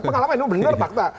pengalaman ini bener fakta